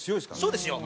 そうですよ。